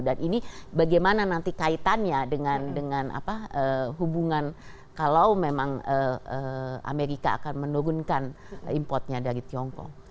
dan ini bagaimana nanti kaitannya dengan hubungan kalau memang amerika akan menurunkan importnya dari tiongkok